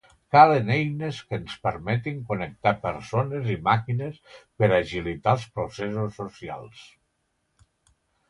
Calen eines que ens permetin connectar persones i màquines per agilitar els processos socials.